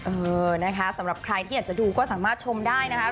เออนะคะสำหรับใครที่อยากจะดูก็สามารถชมได้นะคะ